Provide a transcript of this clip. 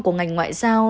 của ngành ngoại giao